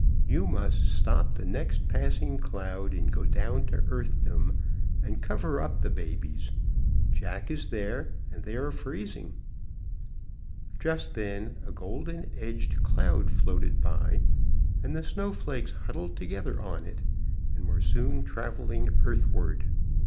"You must, stop the next passing cloud, and go down to Earthdom, and cover up the babies. Jack is there, and they are freezing." Just then a golden edged cloud floated by, and the snowflakes huddled together on it and were soon travelling earthward.